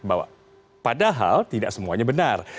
bahwa padahal tidak semuanya benar